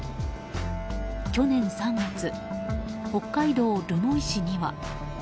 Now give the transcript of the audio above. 去年３月、北海道留萌市には。